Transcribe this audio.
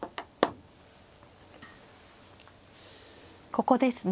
ここですね。